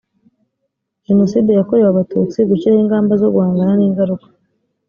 jenoside yakorewe abatutsi gushyiraho ingamba zo guhangana n ingaruka